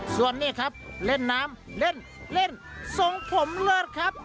ส่วนนี้ครับเล่นน้ำเล่นเล่นทรงผมเลิศครับ